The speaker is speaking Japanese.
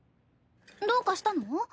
どうかしたの？